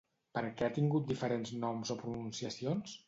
Per què ha tingut diferents noms o pronunciacions?